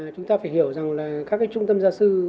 chúng ta phải hiểu rằng là các trung tâm gia sư